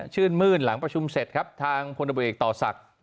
มื้นหลังประชุมเสร็จครับทางพลเอกต่อศักดิ์